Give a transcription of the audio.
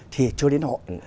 thì chưa đến hội